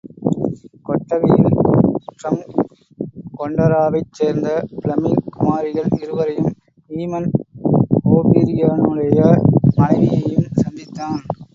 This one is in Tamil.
கொட்டகையில் டிரம்கொண்டராவைச் சேர்ந்த பிளெமிங் குமாரிகள் இருவரையும் ஈமன் ஒபிரியனுடைய மனைவியையும் சந்தித்தான்.